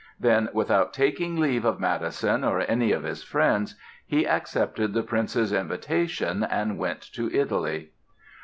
Then, without taking leave of Mattheson or any of his friends, he accepted the prince's invitation and went to Italy.